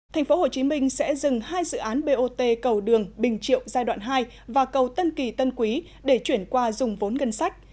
thành phố hồ chí minh sẽ dừng hai dự án bot cầu đường bình triệu giai đoạn hai và cầu tân kỳ tân quý để chuyển qua dùng vốn ngân sách